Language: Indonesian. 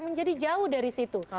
menjadi jauh dari situ